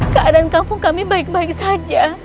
keadaan kampung kami baik baik saja